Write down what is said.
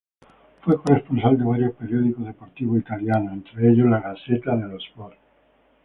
Fue corresponsal de varios periódicos deportivos italianos, entre ellos La Gazzetta dello Sport.